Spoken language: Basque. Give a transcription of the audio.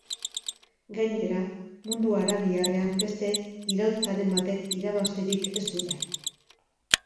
Gainera, mundu arabiarrean beste iraultzaren batek irabazterik ez du nahi.